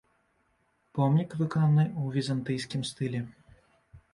Помнік выкананы ў візантыйскім стылі.